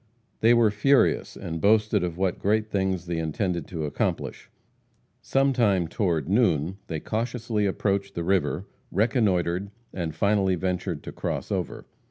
They were furious, and boasted of what great things they intended to accomplish. Sometime, toward noon, they cautiously approached the river, reconnoitered, and finally ventured to cross over.